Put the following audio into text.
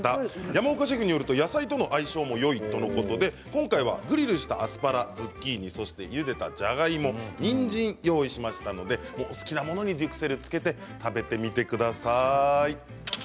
山岡シェフによると野菜との相性もよいとのことで今回はグリルしたアスパラ、ズッキーニそしてゆでたじゃがいもにんじんを用意しましたのでお好きなものにデュクセルをつけて食べてみてください。